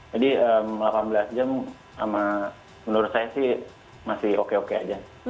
jadi delapan belas jam menurut saya sih masih oke oke aja